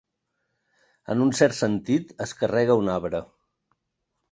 En un cert sentit, es carrega un arbre.